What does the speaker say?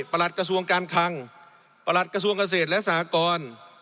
กระทรวงการคังประหลัดกระทรวงเกษตรและสหกร